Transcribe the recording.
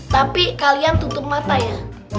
tapi kalian tutup mata ya